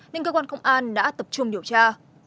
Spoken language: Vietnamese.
nên cơ quan công an đã tập trung điều tra